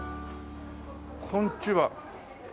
こんにちは。